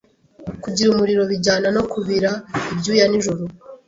kugira umuriro bijyana no kubira ibyuya nijoro